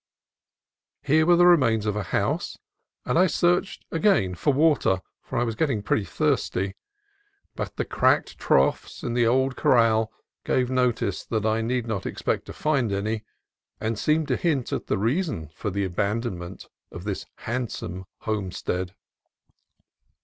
Here were the remains of a house, and I searched again for water, for I was getting pretty thirsty. But the cracked troughs in the old CAMP ON THE NACIMIENTO 175 corral gave notice that I need not expect to find any, and seemed to hint at the reason for the abandon ment of this handsome homestead.